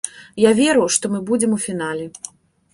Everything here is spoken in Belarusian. Я веру, што мы будзем у фінале.